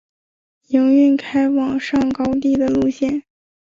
营运开往上高地的路线。